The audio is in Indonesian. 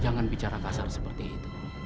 jangan bicara kasar seperti itu